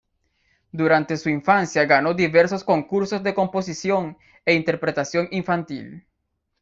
Durante su infancia ganó diversos concursos de composición e interpretación infantil.